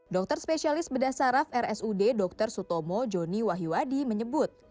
dokter spesialis bedah saraf rsud dr sutomo joni wahiwadi menyebut